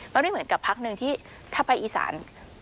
มันไม่เหมือนกับพักหนึ่งที่ถ้าไปอีสาน